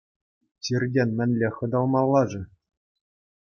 Чиртен мӗнле хӑтӑлмалла-ши?